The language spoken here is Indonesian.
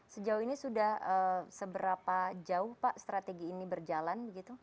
sejauh ini sudah seberapa jauh pak strategi ini berjalan